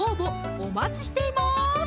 お待ちしています